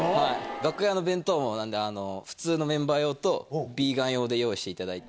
楽屋の弁当も、なんで、ふつうのメンバー用と、ビーガン用で用意していただいて。